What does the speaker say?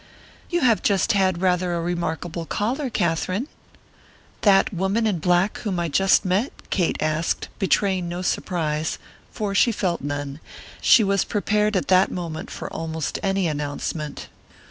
"You have just had rather a remarkable caller, Katherine." "That woman in black whom I just met?" Kate asked, betraying no surprise, for she felt none; she was prepared at that moment for almost any announcement.